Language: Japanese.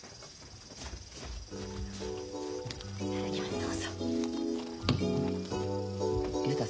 どうぞ。